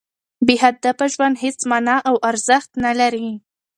بې هدفه ژوند هېڅ مانا او ارزښت نه لري.